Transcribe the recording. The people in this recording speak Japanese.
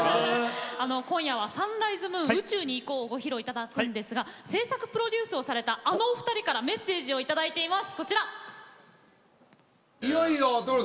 今夜は「サンライズ・ムーン宇宙に行こう」をご披露いただくんですが制作プロデュースをされたあのお二人からメッセージをいただいております。